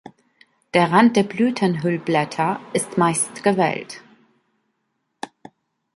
Der Rand der Blütenhüllblätter ist meist gewellt.